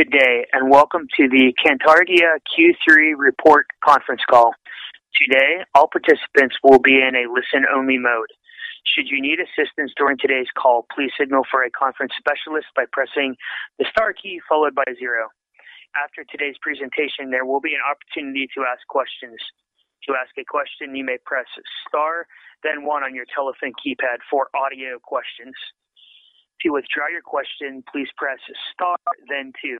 Good day, and welcome to the Cantargia Q3 report conference call. Today, all participants will be in a listen-only mode. Should you need assistance during today's call, please signal for a conference specialist by pressing the star key followed by zero. After today's presentation, there will be an opportunity to ask questions. To ask a question, you may press star then one on your telephone keypad for audio questions. To withdraw your question, please press star then two.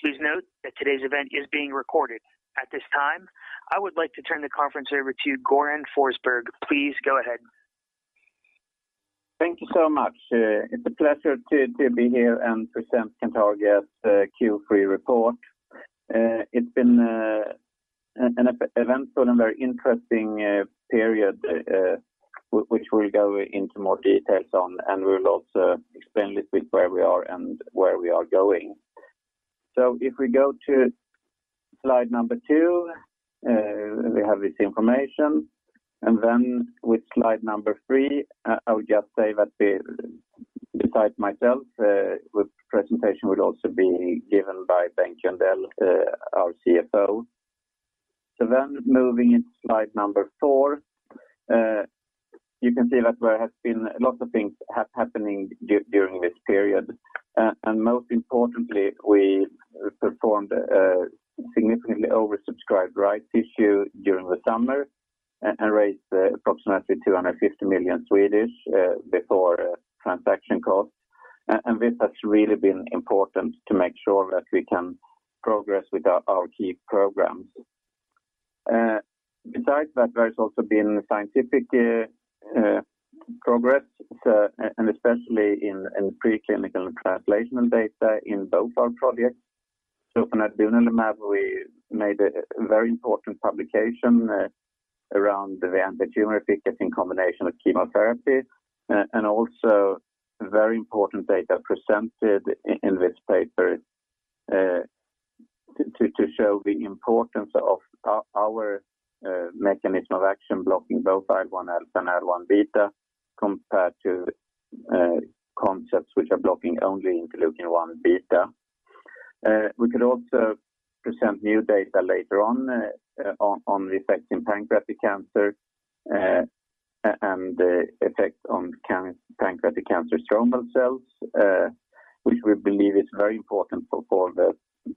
Please note that today's event is being recorded. At this time, I would like to turn the conference over to Göran Forsberg. Please go ahead. Thank you so much. It's a pleasure to be here and present Cantargia's Q3 report. It's been an eventful and very interesting period, which we'll go into more details on, and we'll also explain a little bit where we are and where we are going. If we go to slide number two, we have this information. With slide number three, I would just say that besides myself, the presentation will also be given by Bengt Jöndell, our CFO. Moving into slide number four, you can see that there has been lots of things happening during this period. Most importantly, we performed a significantly oversubscribed rights issue during the summer and raised approximately 250 million before transaction costs. This has really been important to make sure that we can progress with our key programs. Besides that, there's also been scientific progress, and especially in preclinical translation data in both our projects. On nadunolimab, we made a very important publication around the anti-tumor effect in combination with chemotherapy, and also very important data presented in this paper to show the importance of our mechanism of action blocking both IL-1 alpha and IL-1 beta compared to concepts which are blocking only interleukin-1 beta. We could also present new data later on the effects in pancreatic cancer and the effects on pancreatic cancer stromal cells, which we believe is very important for the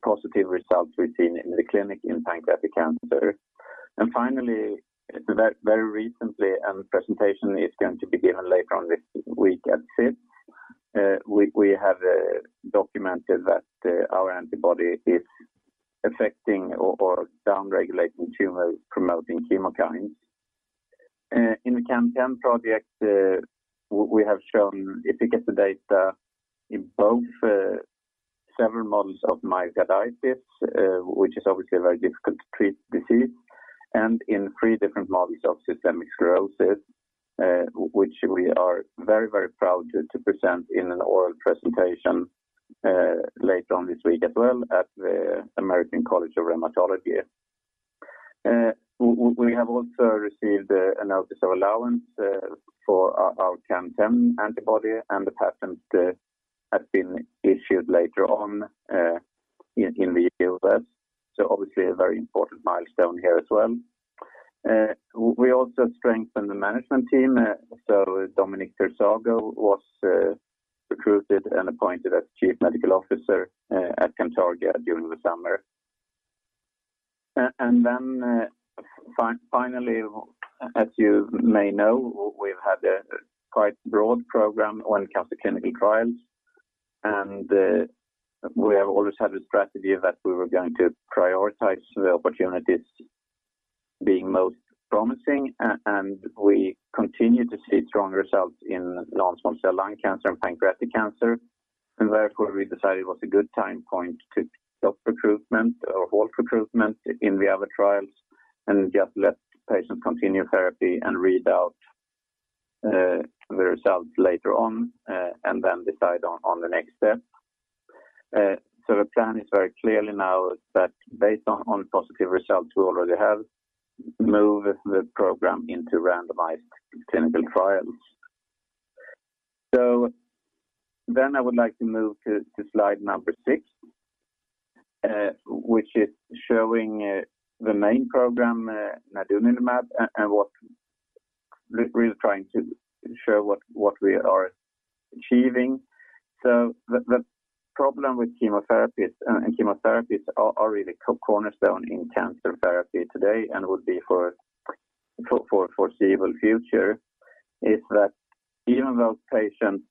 positive results we've seen in the clinic in pancreatic cancer. Finally, very recently, a presentation is going to be given later on this week at SITC. We have documented that our antibody is affecting or down-regulating tumor-promoting chemokines. In the CAN10 project, we have shown efficacy data in both several models of myocarditis, which is obviously a very difficult to treat disease, and in three different models of systemic sclerosis, which we are very proud to present in an oral presentation later on this week as well at the American College of Rheumatology. We have also received a notice of allowance for our CAN10 antibody, and the patent has been issued later on in the U.S. Obviously a very important milestone here as well. We also strengthened the management team. Dominique Tersago was recruited and appointed as Chief Medical Officer at Cantargia during the summer. Finally, as you may know, we've had a quite broad program when it comes to clinical trials, and we have always had a strategy that we were going to prioritize the opportunities being most promising. We continue to see strong results in non-small cell lung cancer and pancreatic cancer. Therefore, we decided it was a good time point to stop recruitment or halt recruitment in the other trials and just let patients continue therapy and read out the results later on, and then decide on the next step. The plan is very clear now that based on positive results we already have, move the program into randomized clinical trials. I would like to move to slide number six, which is showing the main program, nadunolimab and what we're trying to show what we are achieving. The problem with chemotherapy is, and chemotherapies are really cornerstone in cancer therapy today and will be for foreseeable future, that even though patients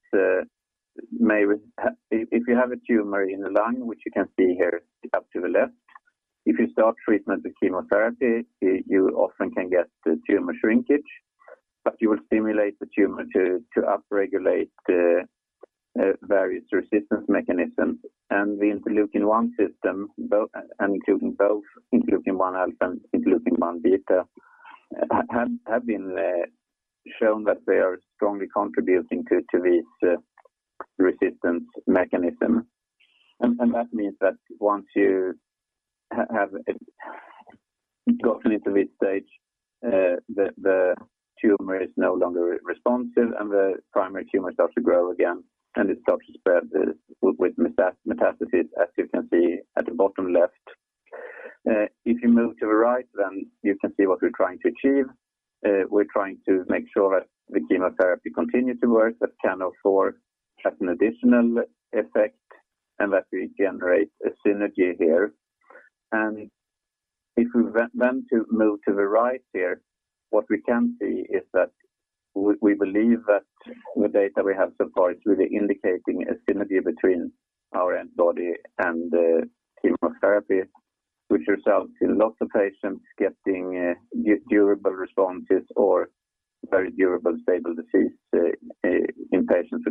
if you have a tumor in the lung, which you can see here up in the left, if you start treatment with chemotherapy, you often can get the tumor shrinkage, but you will stimulate the tumor to upregulate the various resistance mechanisms. The interleukin-1 system, including both interleukin-1 alpha and interleukin-1 beta have been shown that they are strongly contributing to this resistance mechanism. That means that once you have gotten into this stage, the tumor is no longer responsive and the primary tumor starts to grow again, and it starts to spread with metastasis, as you can see at the bottom left. If you move to the right, you can see what we're trying to achieve. We're trying to make sure that the chemotherapy continue to work, but can also have an additional effect and that we generate a synergy here. If we then move to the right here, what we can see is that we believe that the data we have so far is really indicating a synergy between our antibody and the chemotherapy, which results in lots of patients getting durable responses or very durable stable disease in patients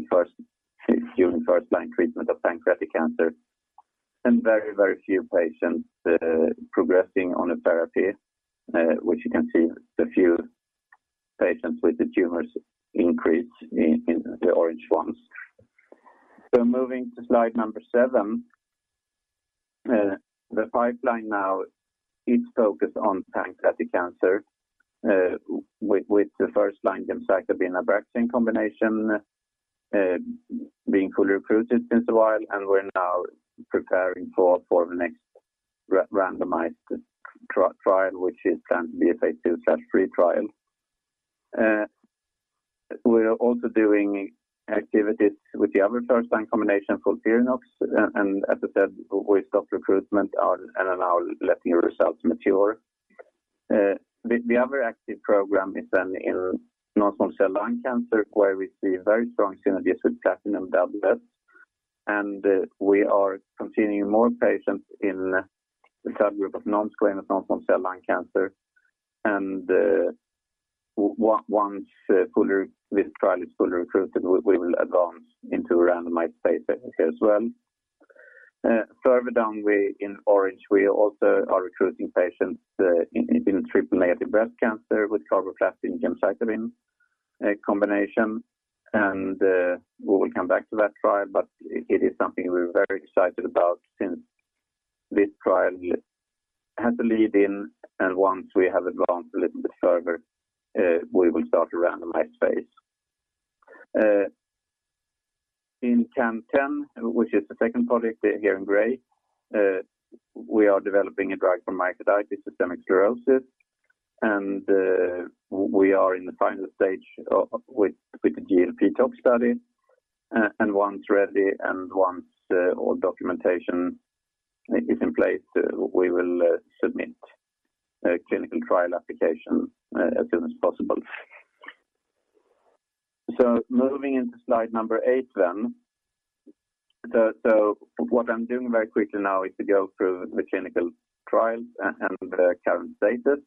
during first-line treatment of pancreatic cancer. Very few patients progressing on a therapy, which you can see the few patients with the tumors increase in the orange ones. Moving to slide number seven. The pipeline now is focused on pancreatic cancer, with the first-line gemcitabine/Abraxane combination being fully recruited since a while, and we're now preparing for the next randomized trial, which is planned to be a phase II/III trial. We are also doing activities with the other first-line combination for FOLFIRINOX. As I said, we've got recruitment on and are now letting the results mature. The other active program is then in non-small cell lung cancer, where we see very strong synergies with platinum doublets. We are continuing more patients in the subgroup of nonsquamous non-small cell lung cancer. Once fully. This trial is fully recruited. We will advance into a randomized phase as well. Further down, in orange, we also are recruiting patients in triple-negative breast cancer with carboplatin gemcitabine combination. We will come back to that trial, but it is something we're very excited about since this trial has a lead in, and once we have advanced a little bit further, we will start a randomized phase. In CAN10, which is the second project here in gray, we are developing a drug for myocarditis and systemic sclerosis. We are in the final stage with the GLP tox study. Once ready and once all documentation is in place, we will submit a clinical trial application as soon as possible. Moving into slide number eight then. What I'm doing very quickly now is to go through the clinical trials and the current status.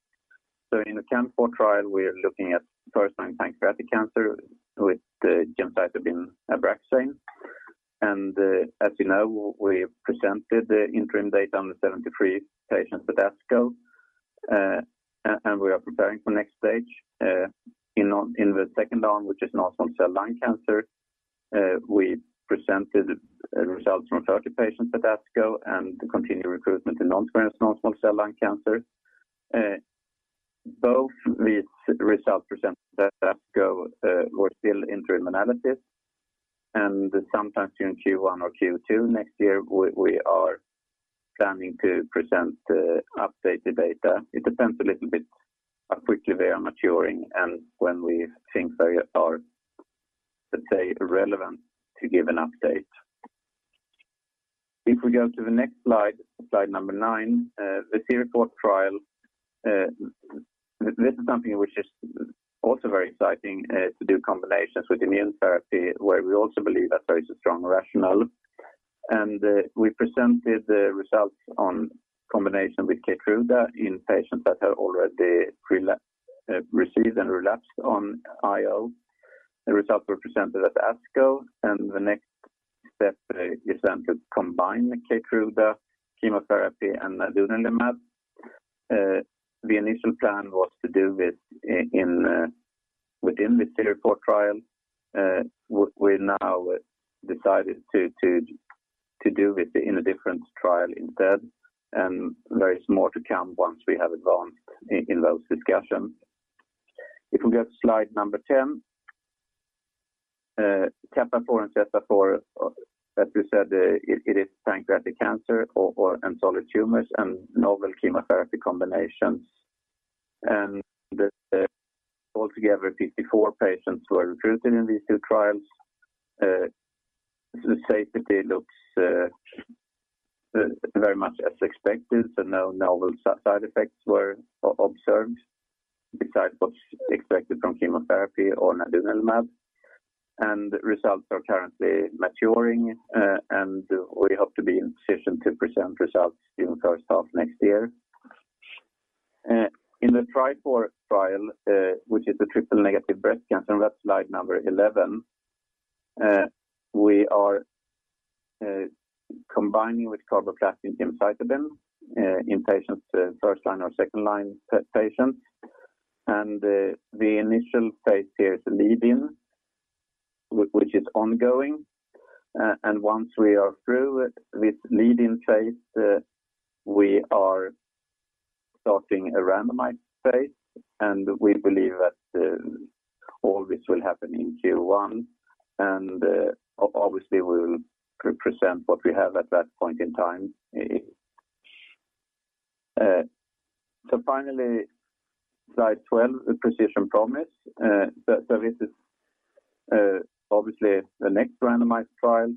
In the CANFOUR trial, we're looking at first-line pancreatic cancer with gemcitabine ABRAXANE. As you know, we presented the interim data on the 73 patients with ASCO. We are preparing for next stage in the second arm, which is non-small cell lung cancer. We presented results from 30 patients at ASCO and continue recruitment in nonsquamous non-small cell lung cancer. Both these results presented at ASCO were still interim analysis. Sometimes during Q1 or Q2 next year, we are planning to present updated data. It depends a little bit how quickly they are maturing and when we think they are, let's say, relevant to give an update. If we go to the next slide number nine. The CIRIFOUR trial, this is something which is also very exciting, to do combinations with immune therapy, where we also believe that there is a strong rationale. We presented the results on combination with Keytruda in patients that have already received and relapsed on IO. The results were presented at ASCO, and the next step is then to combine the Keytruda chemotherapy and nadunolimab. The initial plan was to do this within the CIRIFOUR trial. We now decided to do this in a different trial instead, and there is more to come once we have advanced in those discussions. If we go to slide number 10. CAPAFOUR and CESTAFOUR, as we said, it is pancreatic cancer or in solid tumors and novel chemotherapy combinations. Altogether, 54 patients were recruited in these two trials. The safety looks very much as expected, so no novel side effects were observed besides what's expected from chemotherapy or nadunolimab. Results are currently maturing, and we hope to be in position to present results during first half next year. In the TRIFOUR trial, which is the triple-negative breast cancer, and that's slide number 11, we are combining with carboplatin gemcitabine in patients first-line or second-line patients. The initial phase here is lead-in, which is ongoing. Once we are through with this lead-in phase, we are starting a randomized phase, and we believe that all this will happen in Q1. Obviously, we'll present what we have at that point in time. Finally, slide 12, the Precision Promise. This is obviously the next randomized trial,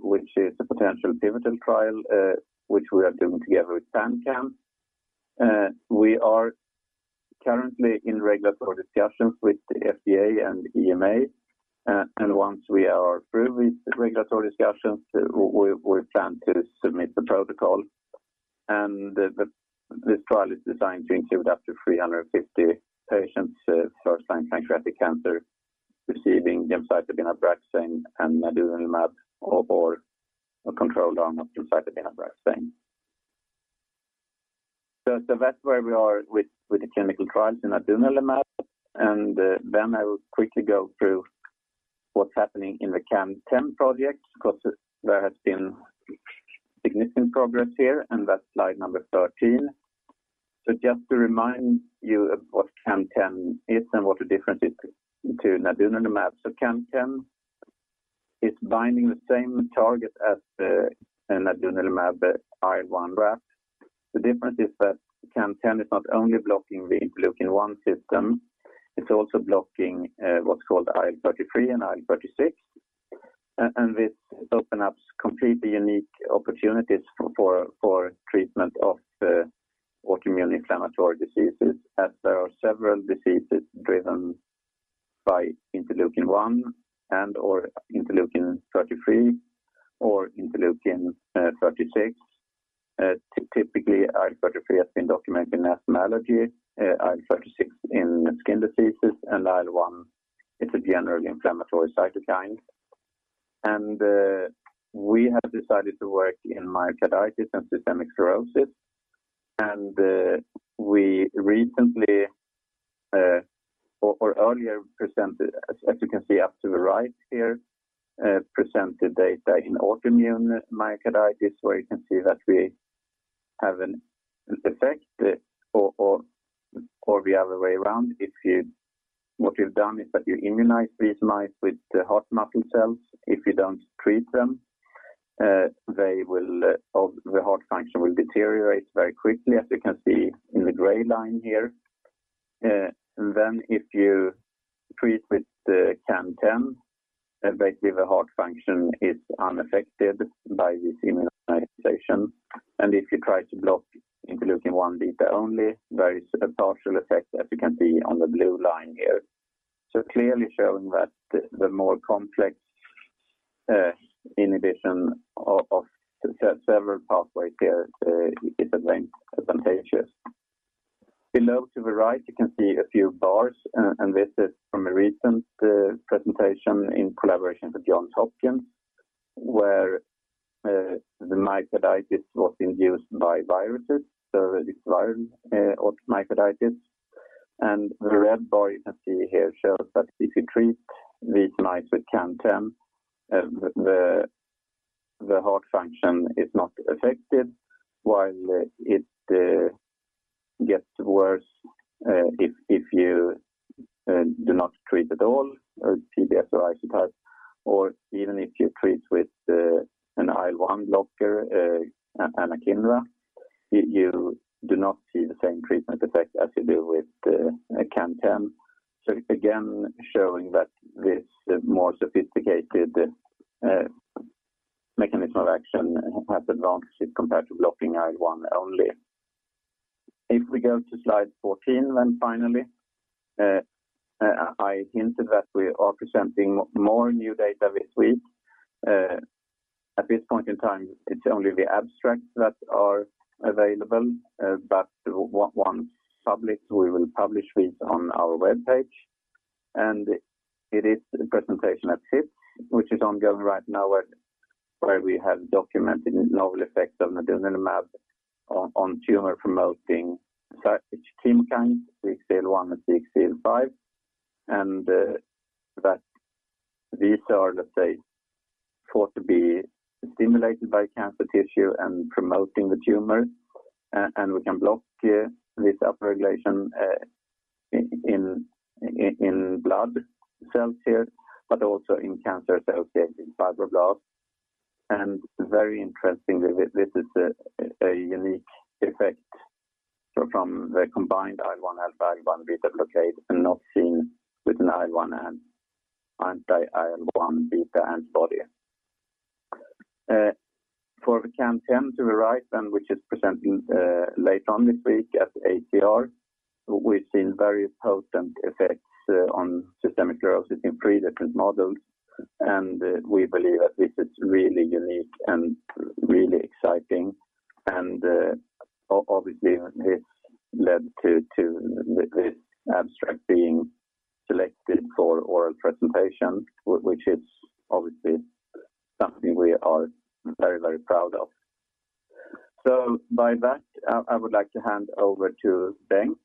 which is a potential pivotal trial, which we are doing together with PanCAN. We are currently in regulatory discussions with the FDA and EMA. Once we are through with the regulatory discussions, we plan to submit the protocol. This trial is designed to include up to 350 patients with first-line pancreatic cancer receiving gemcitabine Abraxane and nadunolimab or a control arm of gemcitabine Abraxane. That's where we are with the clinical trials in nadunolimab. I will quickly go through what's happening in the CAN10 project because there has been significant progress here. That's slide number 13. Just to remind you of what CAN10 is and what the difference is to nadunolimab. CAN10 is binding the same target as the nadunolimab IL1RAP. The difference is that CAN10 is not only blocking the interleukin-1 system, it's also blocking what's called IL-33 and IL-36. And this opens up completely unique opportunities for treatment of autoimmune inflammatory diseases, as there are several diseases driven by interleukin-1 and/or interleukin-33 or interleukin-36. Typically, IL-33 has been documented in asthma allergy, IL-36 in skin diseases, and IL-1 is a general inflammatory cytokine. We have decided to work in myocarditis and systemic sclerosis. We recently or earlier presented data, as you can see up to the right here, in autoimmune myocarditis, where you can see that we have an effect or the other way around. What you've done is that you immunize these mice with the heart muscle cells. If you don't treat them, the heart function will deteriorate very quickly, as you can see in the gray line here. If you treat with the CAN10, basically the heart function is unaffected by this immunization. If you try to block interleukin-1 beta only, there is a partial effect, as you can see on the blue line here. Clearly showing that the more complex inhibition of several pathways here is advantageous. Below to the right, you can see a few bars, and this is from a recent presentation in collaboration with Johns Hopkins, where the myocarditis was induced by viruses, so this virus caused myocarditis. The red bar you can see here shows that if you treat these mice with CAN10, the heart function is not affected, while it gets worse if you do not treat at all, PBS or isotype, or even if you treat with an IL-1 blocker, anakinra, you do not see the same treatment effect as you do with CAN10. Again, showing that this more sophisticated mechanism of action has advantages compared to blocking IL-1 only. If we go to slide 14, finally, I hinted that we are presenting more new data this week. At this point in time, it's only the abstracts that are available, but once published, we will publish these on our webpage. It is a presentation at SITC, which is ongoing right now, where we have documented novel effects of nadunolimab on tumor-promoting cytokine CXCL1 and CXCL5. That these are, let's say, thought to be stimulated by cancer tissue and promoting the tumor. We can block here this upregulation in blood cells here, but also in cancer-associated fibroblasts. Very interestingly, this is a unique effect from the combined IL-1 alpha, IL-1 beta blockade and not seen with an IL-1 and anti-IL-1 beta antibody. For the CAN10 to the right then, which is presenting later on this week at ACR, we've seen very potent effects on systemic sclerosis in three different models. We believe that this is really unique and really exciting. Obviously, this led to this abstract being selected for oral presentation, which is obviously something we are very, very proud of. By that, I would like to hand over to Bengt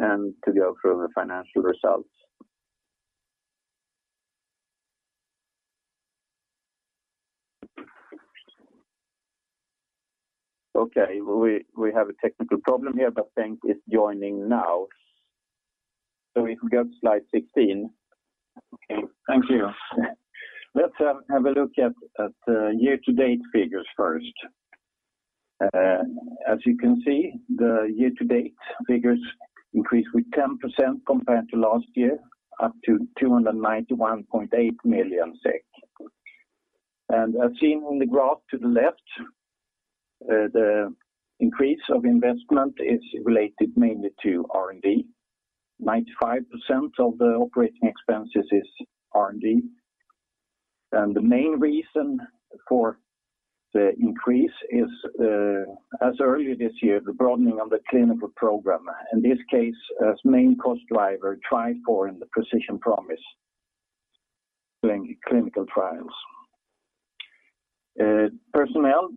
to go through the financial results. Okay. We have a technical problem here, but Bengt is joining now. If we go to slide 16. Okay, thank you. Let's have a look at the year-to-date figures first. As you can see, the year-to-date figures increased with 10% compared to last year, up to 291.8 million SEK. As seen on the graph to the left, the increase of investment is related mainly to R&D. 95% of the operating expenses is R&D. The main reason for the increase is, as early this year, the broadening of the clinical program. In this case, as main cost driver, TRIFOUR in the Precision Promise doing clinical trials. Personnel,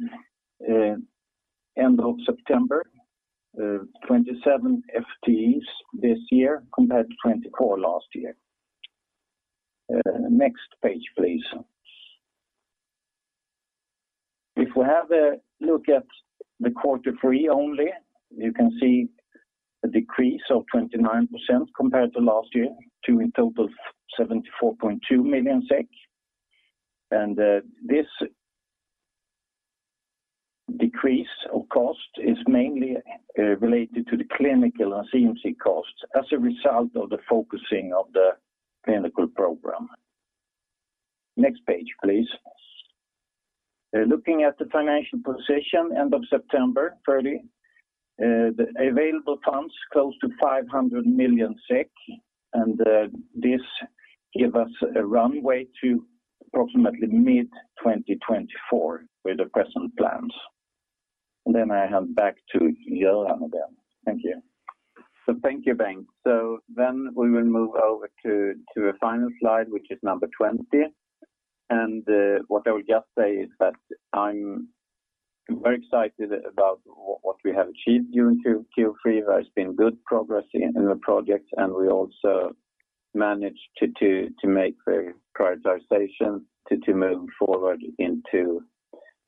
end of September, 27 FTEs this year compared to 24 FTEs last year. Next page, please. If we have a look at the quarter three only, you can see a decrease of 29% compared to last year to a total of 74.2 million SEK. This decrease of cost is mainly related to the clinical and CMC costs as a result of the focusing of the clinical program. Next page, please. Looking at the financial position end of September 30, the available funds close to 500 million SEK, and this give us a runway to approximately mid-2024 with the present plans. Then I hand back to Göran again. Thank you. Thank you, Bengt. We will move over to a final slide, which is number 20. What I will just say is that I'm very excited about what we have achieved during Q3. There's been good progress in the projects, and we also managed to make the prioritization to move forward into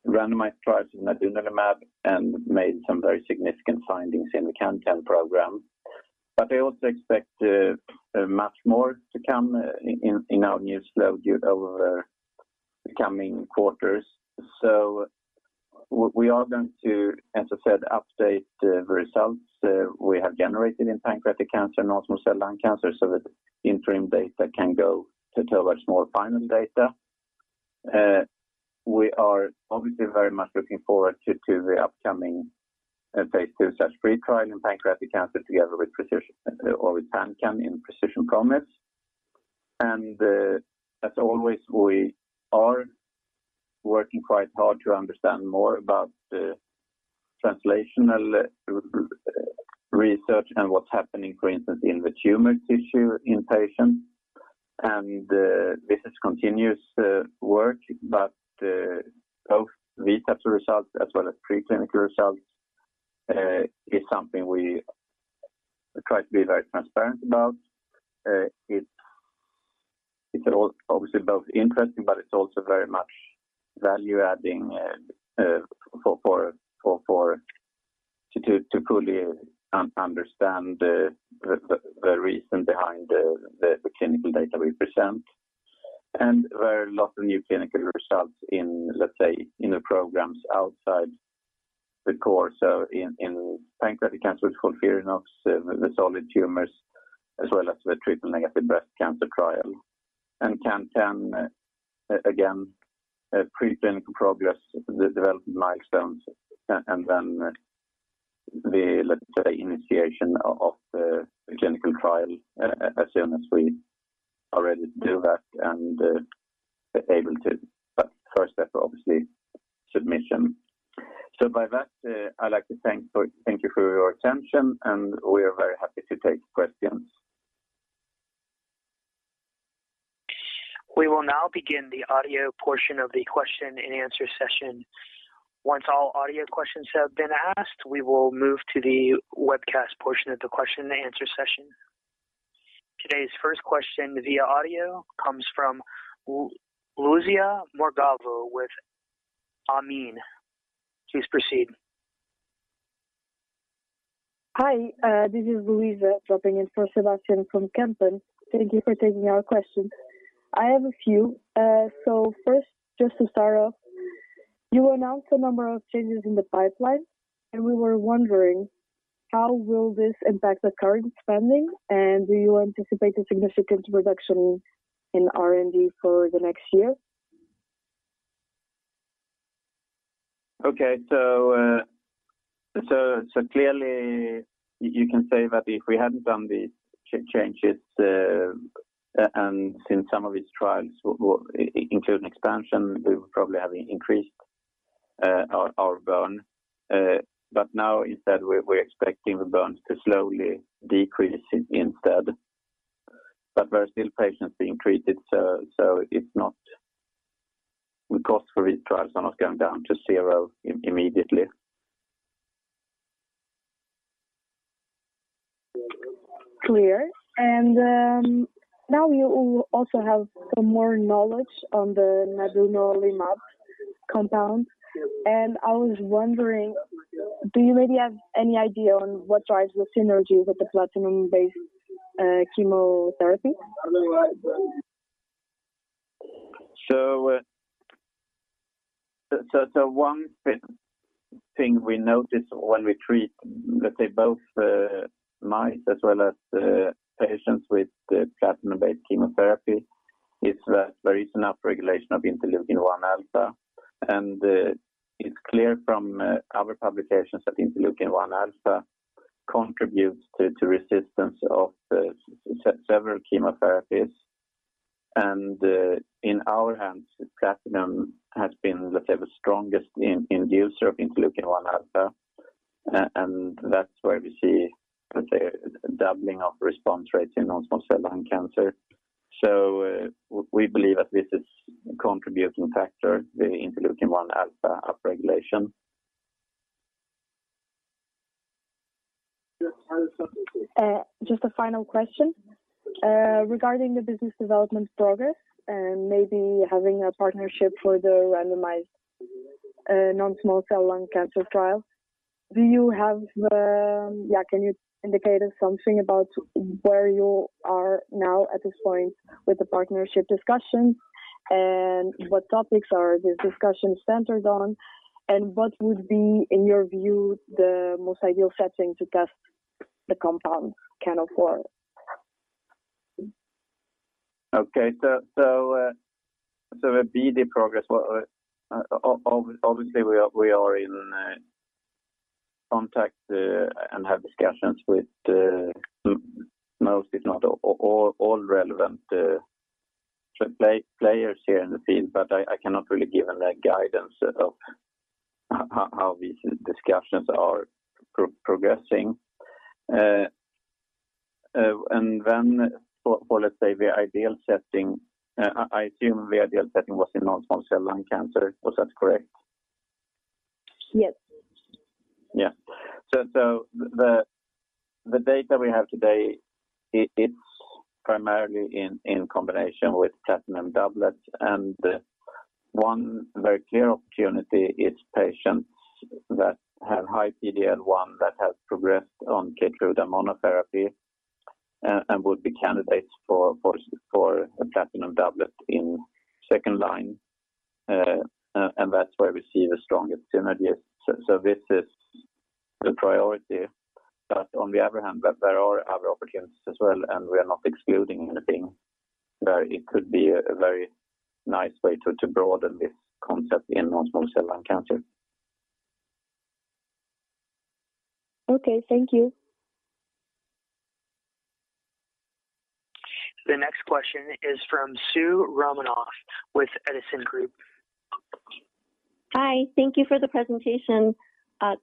randomized trials in nadunolimab and made some very significant findings in the CAN10 program. I also expect much more to come in our news flow over the coming quarters. We are going to, as I said, update the results we have generated in pancreatic cancer, non-small cell lung cancer, so the interim data can go towards more final data. We are obviously very much looking forward to the upcoming phase II/III trial in pancreatic cancer together with PanCAN in Precision Promise. We are working quite hard to understand more about the translational research and what's happening, for instance, in the tumor tissue in patients. This is continuous work, but both these types of results as well as preclinical results is something we try to be very transparent about. It's all obviously both interesting, but it's also very much value-adding for to fully understand the reason behind the clinical data we present. There are a lot of new clinical results in, let's say, the programs outside the core, so in pancreatic cancer with FOLFIRINOX, the solid tumors, as well as the triple-negative breast cancer trial. CAN10, again, preclinical progress, the development milestones, and then the, let's say, initiation of the clinical trial as soon as we are ready to do that and able to. First step, obviously, submission. By that, I'd like to thank you for your attention, and we are very happy to take questions. We will now begin the audio portion of the question-and-answer session. Once all audio questions have been asked, we will move to the webcast portion of the question-and-answer session. Today's first question via audio comes from Luísa Morgado with Kempen. Please proceed. Hi, this is Luísa dropping in for Sebastian from Kempen. Thank you for taking our question. I have a few. First, just to start off, you announced a number of changes in the pipeline, and we were wondering how will this impact the current spending, and do you anticipate a significant reduction in R&D for the next year? Okay. Clearly you can say that if we hadn't done these changes, and since some of these trials will include an expansion, we would probably have increased our burn. Now instead, we're expecting the burn to slowly decrease instead. There are still patients being treated, so the cost for each trial is not going down to zero immediately. Clear. Now you also have some more knowledge on the nadunolimab compound. I was wondering, do you maybe have any idea on what drives the synergies with the platinum-based chemotherapy? One thing we notice when we treat, let's say, both mice as well as patients with the platinum-based chemotherapy is that there is upregulation of interleukin-1 alpha. It's clear from our publications that interleukin-1 alpha contributes to resistance of several chemotherapies. In our hands, platinum has been, let's say, the strongest inducer of interleukin-1 alpha. That's where we see, let's say, a doubling of response rates in non-small cell lung cancer. We believe that this is a contributing factor, the interleukin-1 alpha upregulation. Just a final question. Regarding the business development progress and maybe having a partnership for the randomized non-small cell lung cancer trial, can you indicate us something about where you are now at this point with the partnership discussions, and what topics are these discussions centered on, and what would be, in your view, the most ideal setting to test the compound going forward? Okay. The BD progress, obviously, we are in contact and have discussions with most, if not all, relevant players here in the field, but I cannot really give, like, guidance of how these discussions are progressing. For, let's say, the ideal setting, I assume the ideal setting was in non-small cell lung cancer. Was that correct? Yes. Yeah. The data we have today, it's primarily in combination with platinum doublets. One very clear opportunity is patients that have high PD-L1 that has progressed on Keytruda monotherapy, and would be candidates for a platinum doublet in second line. And that's where we see the strongest synergies. This is the priority. On the other hand, there are other opportunities as well, and we are not excluding anything. It could be a very nice way to broaden this concept in non-small cell lung cancer. Okay, thank you. The next question is from Soo Romanoff with Edison Group. Hi. Thank you for the presentation.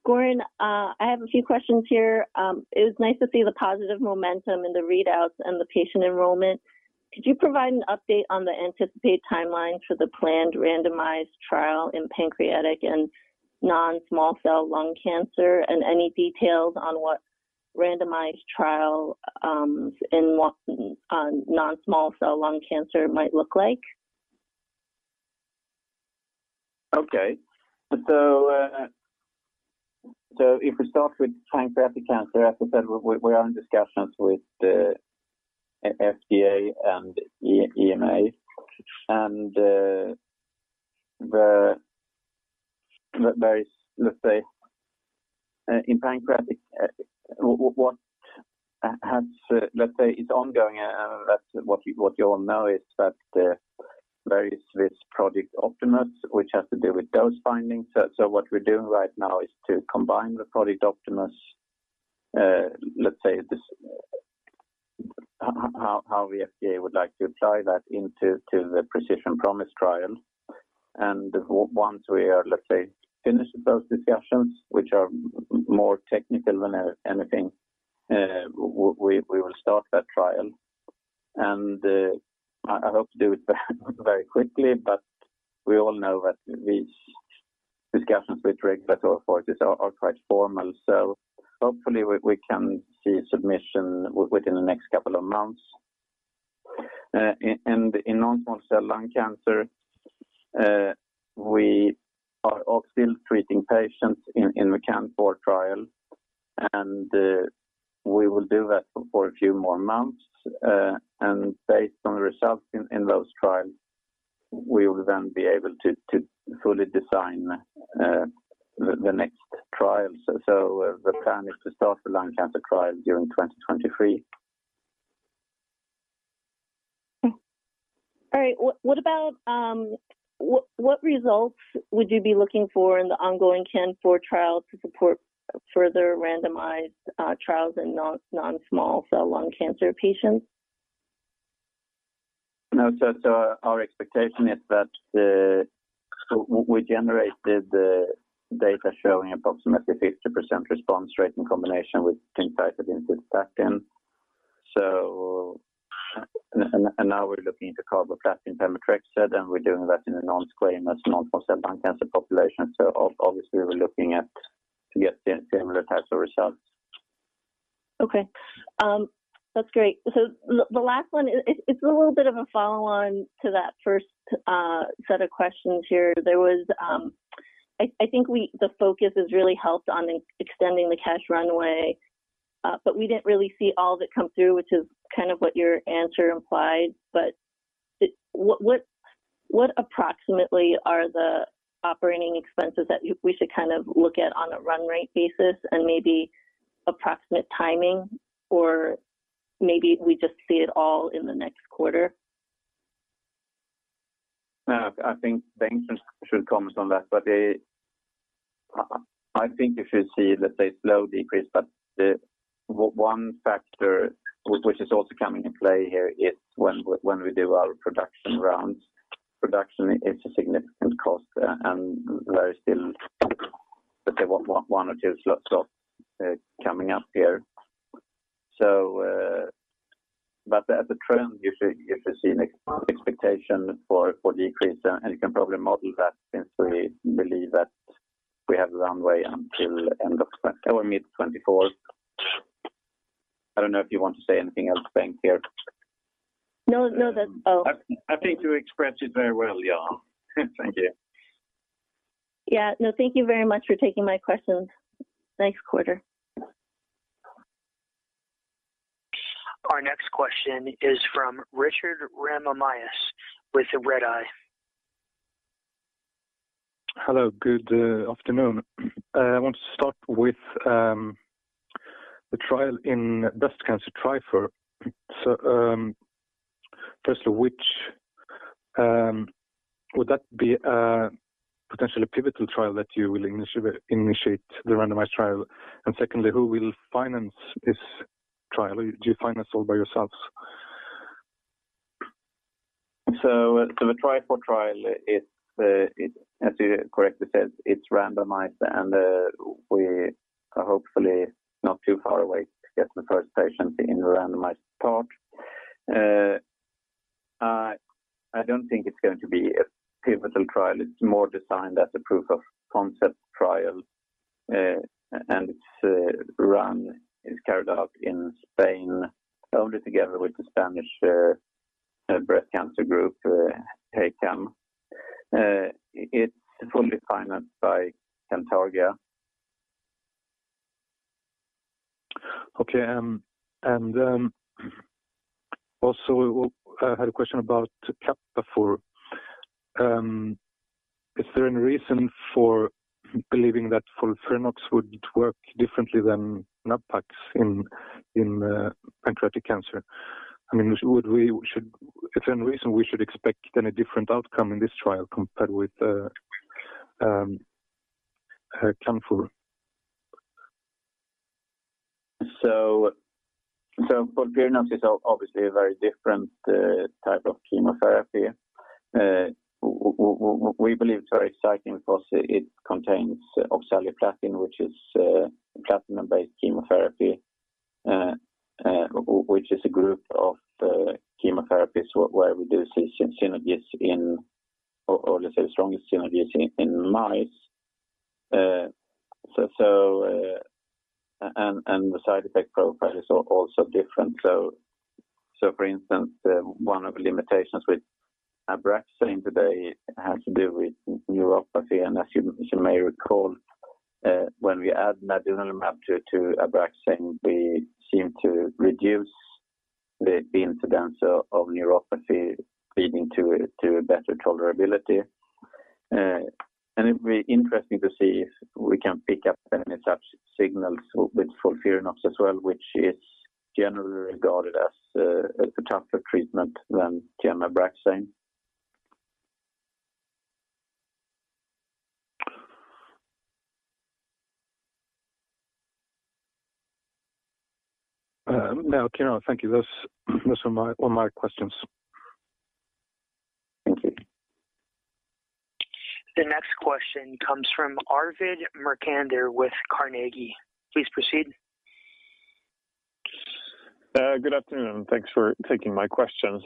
Göran, I have a few questions here. It was nice to see the positive momentum in the readouts and the patient enrollment. Could you provide an update on the anticipated timeline for the planned randomized trial in pancreatic and non-small cell lung cancer, and any details on what randomized trial on non-small cell lung cancer might look like? Okay. If we start with pancreatic cancer, as I said, we're in discussions with FDA and EMA. The very, let's say, in pancreatic, what has, let's say, is ongoing, and that's what you all know, is that there is this Project Optimus, which has to do with those findings. What we're doing right now is to combine the Project Optimus, let's say, how the FDA would like to apply that into the Precision Promise trial. Once we are, let's say, finished with those discussions, which are more technical than anything, we will start that trial. I hope to do it very quickly, but we all know that these discussions with regulatory authorities are quite formal. Hopefully, we can see submission within the next couple of months. In non-small cell lung cancer, we are all still treating patients in the CANFOUR trial, and we will do that for a few more months. Based on the results in those trials, we will then be able to fully design the next trial. The plan is to start the lung cancer trial during 2023. All right. What about what results would you be looking for in the ongoing CANFOUR trial to support further randomized trials in non-small cell lung cancer patients? No. Our expectation is that we generated the data showing approximately 50% response rate in combination with pembrolizumab plus paclitaxel. And now we're looking into carboplatin pemetrexed, and we're doing that in a nonsquamous non-small cell lung cancer population. Obviously we're looking to get similar types of results. Okay. That's great. The last one, it's a little bit of a follow on to that first set of questions here. There was, I think the focus has really helped on extending the cash runway, but we didn't really see all of it come through, which is kind of what your answer implied. It what approximately are the operating expenses that we should kind of look at on a run rate basis and maybe approximate timing or maybe we just see it all in the next quarter? I think Bengt should comment on that. I think you should see, let's say, slow decrease. The one factor which is also coming into play here is when we do our production rounds, production is a significant cost, and there is still one or two slots coming up here. At the trend, you should see an expectation for decrease. You can probably model that since we believe that we have runway until end of 2023 or mid-2024. I don't know if you want to say anything else, Bengt, here. No, no. Oh. I think you expressed it very well, Göran. Thank you. Yeah. No, thank you very much for taking my questions. Thanks, quarter. Our next question is from Richard Ramanius with Redeye. Hello, good afternoon. I want to start with the trial in breast cancer TRIFOUR. First of which, would that be a potentially pivotal trial that you will initiate the randomized trial? Secondly, who will finance this trial? Do you finance all by yourselves? The TRIFOUR trial is as you correctly said, it's randomized. We are hopefully not too far away to get the first patient in the randomized part. I don't think it's going to be a pivotal trial. It's more designed as a proof of concept trial. It's carried out in Spain only together with the Spanish breast cancer group, GEICAM. It's fully financed by Cantargia. I had a question about CAPAFOUR. Is there any reason for believing that FOLFIRINOX would work differently than nab-paclitaxel in pancreatic cancer? I mean, is there any reason we should expect any different outcome in this trial compared with CANFOUR? FOLFIRINOX is obviously a very different type of chemotherapy. We believe it's very exciting because it contains oxaliplatin, which is a platinum-based chemotherapy, which is a group of chemotherapies where we do see synergies in, or let's say the strongest synergies in mice. The side effect profile is also different. For instance, one of the limitations with Abraxane today has to do with neuropathy. As you may recall, when we add nadunolimab to Abraxane, we seem to reduce the incidence of neuropathy leading to a better tolerability. It'll be interesting to see if we can pick up any such signals with FOLFIRINOX as well, which is generally regarded as a tougher treatment than gem/Abraxane. No, okay. No, thank you. Those are all my questions. Thank you. The next question comes from Arvid Necander with Carnegie. Please proceed. Good afternoon. Thanks for taking my questions.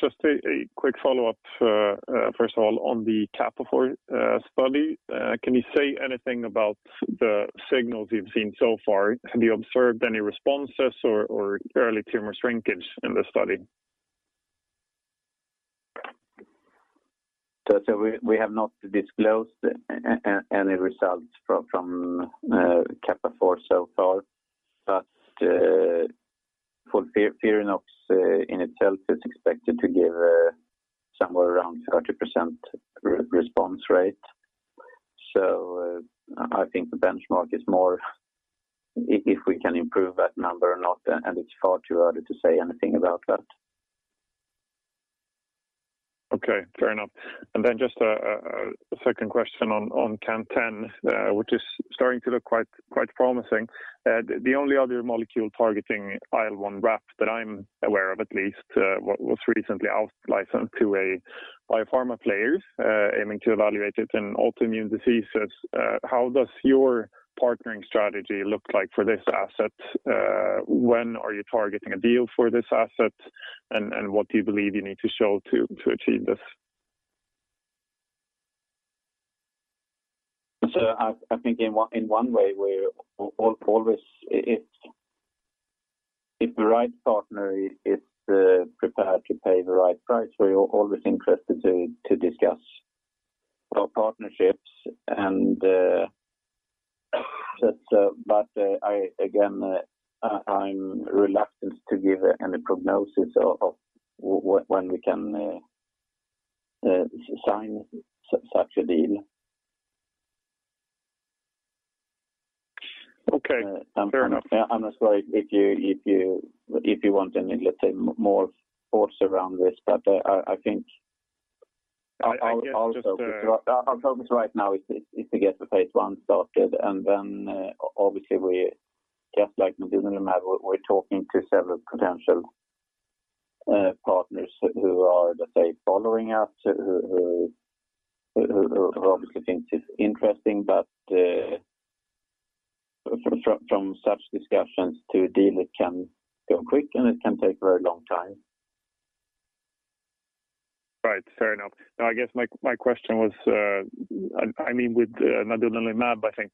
Just a quick follow-up, first of all on the CAPAFOUR study. Can you say anything about the signals you've seen so far? Have you observed any responses or early tumor shrinkage in the study? We have not disclosed any results from CAPAFOUR so far. FOLFIRINOX in itself is expected to give somewhere around 30% response rate. I think the benchmark is more if we can improve that number or not, and it's far too early to say anything about that. Okay, fair enough. Just a second question on CAN10, which is starting to look quite promising. The only other molecule targeting IL1RAP that I'm aware of at least, was recently out-licensed to a biopharma players, aiming to evaluate it in autoimmune diseases. How does your partnering strategy look like for this asset? When are you targeting a deal for this asset? What do you believe you need to show to achieve this? I think in one way we're always if the right partner is prepared to pay the right price, we are always interested to discuss our partnerships. Again, I'm reluctant to give any prognosis of when we can sign such a deal. Okay. Fair enough. I'm sorry if you want any, let's say, more thoughts around this, but I think. I guess just. Our focus right now is to get the phase one started. Obviously we're talking to several potential partners who are, let's say, following us, who obviously think it's interesting. From such discussions to a deal, it can go quick, and it can take very long time. Right. Fair enough. No, I guess my question was, I mean, with nadunolimab, I think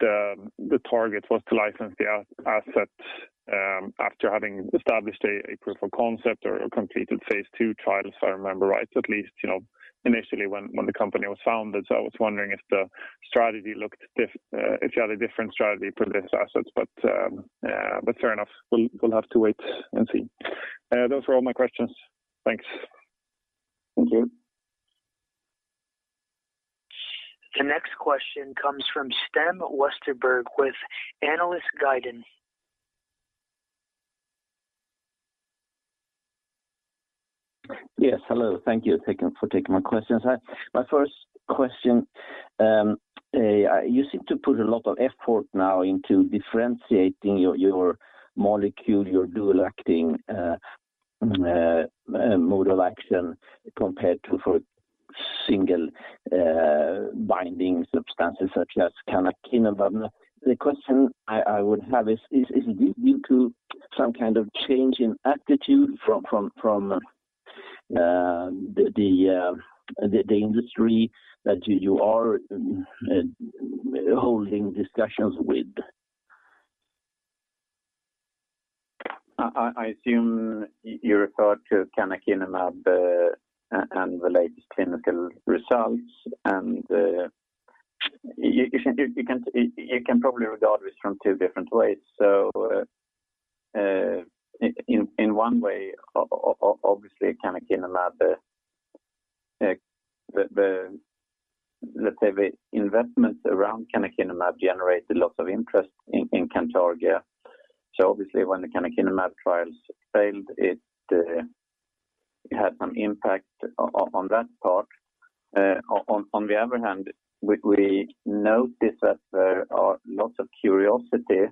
the target was to license the assets, after having established a proof of concept or completed phase two trials, if I remember right, at least, you know, initially when the company was founded. I was wondering if you had a different strategy for this asset. Fair enough. We'll have to wait and see. Those were all my questions. Thanks. Thank you. The next question comes from Sten Westerberg with Analysguiden. Yes. Hello. Thank you for taking my questions. My first question, you seem to put a lot of effort now into differentiating your molecule, your dual-acting mode of action compared to single-binding substances such as canakinumab. The question I would have is it due to some kind of change in attitude from the industry that you are holding discussions with? I assume you refer to canakinumab and the latest clinical results. You can probably regard this from two different ways. In one way, obviously canakinumab like the let's say the investments around canakinumab generated lots of interest in Cantargia. Obviously, when the canakinumab trials failed, it had some impact on that part. On the other hand, we note this as lots of curiosity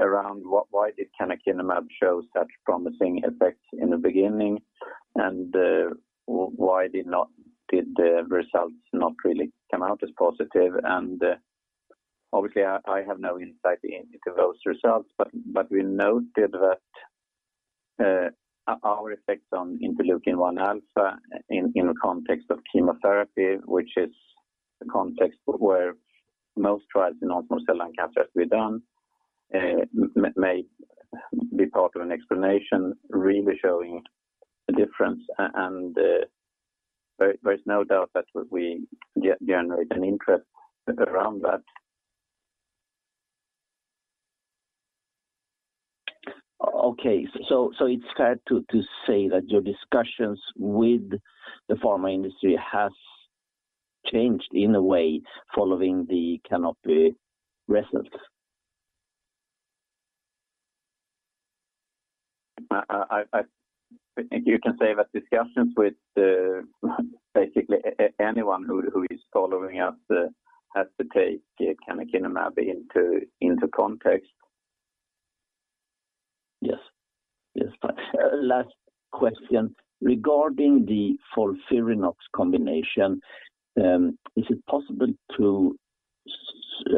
around why did canakinumab show such promising effects in the beginning, and why did the results not really come out as positive? Obviously, I have no insight into those results, but we noted that our effects on interleukin-1 alpha in the context of chemotherapy, which is the context where most trials in non-small cell lung cancer has been done, may be part of an explanation really showing a difference. There's no doubt that we generate an interest around that. Okay. It's fair to say that your discussions with the pharma industry has changed in a way following the CANOPY results? You can say that discussions with basically anyone who is following us has to take the canakinumab into context. Yes. Yes. Last question. Regarding the FOLFIRINOX combination, is it possible,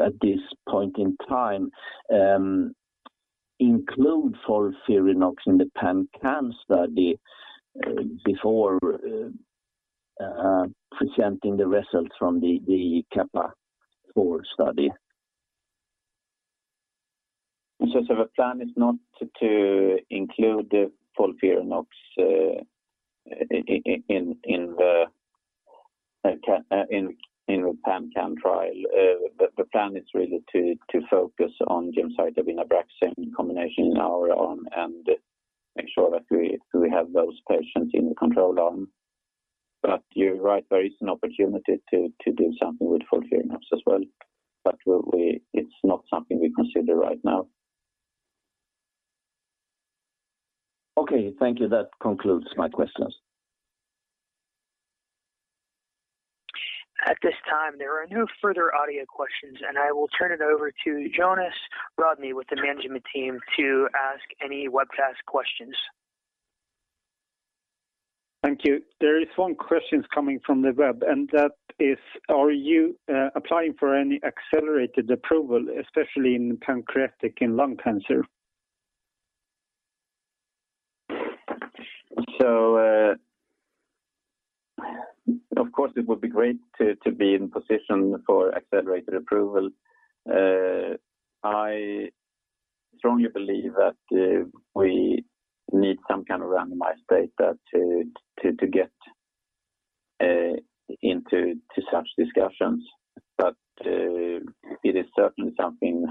at this point in time, to include FOLFIRINOX in the PanCAN study before presenting the results from the CAPAFOUR study? The plan is not to include the FOLFIRINOX in the PanCAN trial. The plan is really to focus on gemcitabine Abraxane combination in our arm and make sure that we have those patients in the control arm. You're right, there is an opportunity to do something with FOLFIRINOX as well. It's not something we consider right now. Okay, thank you. That concludes my questions. At this time, there are no further audio questions, and I will turn it over to [Diones Rodney] with the management team to ask any webcast questions. Thank you. There is one question coming from the web, and that is, are you, applying for any accelerated approval, especially in pancreatic and lung cancer? Of course, it would be great to be in position for accelerated approval. I strongly believe that we need some kind of randomized data to get into such discussions. It is certainly something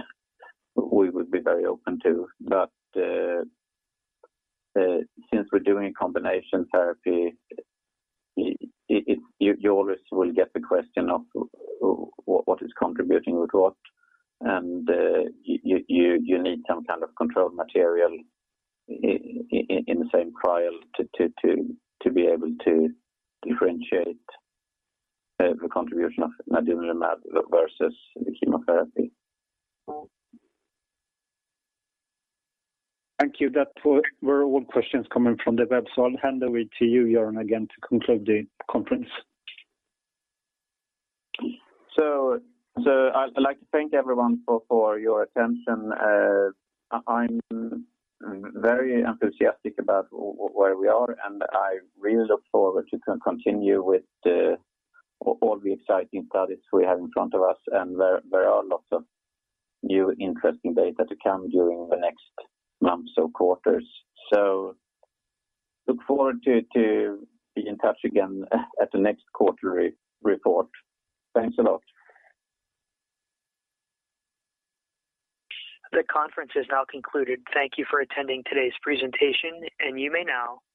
we would be very open to. Since we're doing a combination therapy, it, you always will get the question of what is contributing with what. You need some kind of controlled material in the same trial to be able to differentiate the contribution of nadunolimab versus the chemotherapy. Thank you. That were all questions coming from the web. I'll hand over to you, Göran, again to conclude the conference. I'd like to thank everyone for your attention. I'm very enthusiastic about where we are, and I really look forward to continue with all the exciting products we have in front of us. There are lots of new interesting data to come during the next months or quarters. Look forward to be in touch again at the next quarterly report. Thanks a lot. The conference is now concluded. Thank you for attending today's presentation, and you may now disconnect.